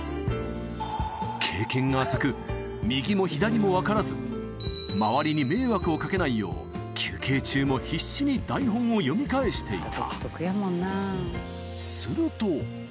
経験が浅く、右も左も分からず、周りに迷惑をかけないよう、休憩中も必死に台本を読み返していた。